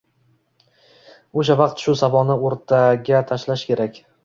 o‘sha vaqt shu savolni o‘rtaga tashlash kerak.